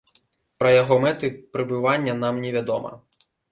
Пра яго мэты прыбывання нам не вядома.